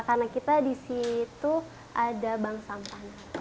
karena kita di situ ada bank sampah